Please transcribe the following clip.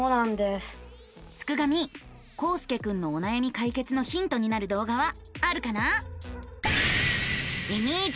すくガミこうすけくんのおなやみ解決のヒントになる動画はあるかな？